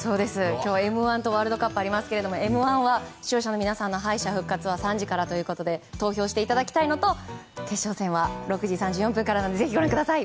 今日、「Ｍ‐１」とワールドカップがありますけれど「Ｍ‐１」は視聴者の皆さんの敗者復活は３時からということで投票していただきたいのと決勝戦は６時３４分からなのでぜひ、ご覧ください。